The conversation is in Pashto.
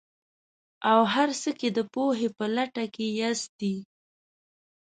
او هر څه کې د پوهې په لټه کې ياستئ.